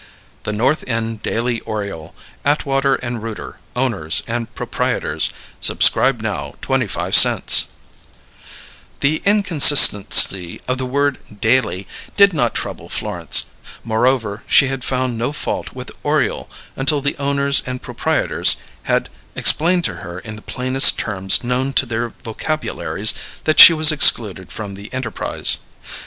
THE NORTH END DAILY ORIOLE ATWATER & ROOTER OWNERS & PROPREITORS SUBSCRIBE NOW 25 CENTS The inconsistency of the word "daily" did not trouble Florence; moreover, she had found no fault with "Oriole" until the Owners & Propreitors had explained to her in the plainest terms known to their vocabularies that she was excluded from the enterprise.